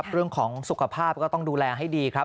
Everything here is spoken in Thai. เรื่องของสุขภาพก็ต้องดูแลให้ดีครับ